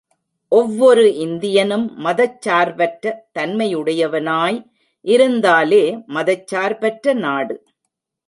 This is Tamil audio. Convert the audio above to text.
ஒவ்வொரு இந்தியனும் மதச் சார்பற்ற தன்மையுடையவனாய் இருந்தாலே மதச் சார்பற்ற நாடு.